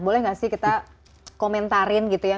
boleh gak sih kita komentarin gitu ya